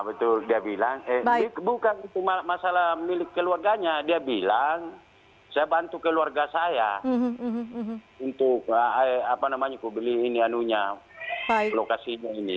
betul dia bilang bukan itu masalah milik keluarganya dia bilang saya bantu keluarga saya untuk beli ini anunya lokasinya ini